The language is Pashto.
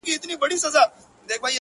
• قاسم یار چي په خندا خېژمه دار ته ,